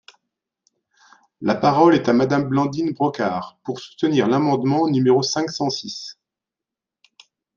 La parole est à Madame Blandine Brocard, pour soutenir l’amendement numéro cinq cent six.